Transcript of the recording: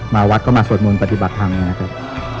วัดก็มาสวดมนต์ปฏิบัติธรรมนะครับ